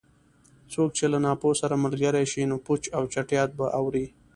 څوک چې له ناپوه سره ملګری شي؛ نو پوچ او چټیات به اوري.